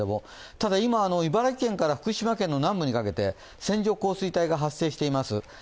ただ、今、茨城県から福島県南部にかけて線状降水帯が発生しています。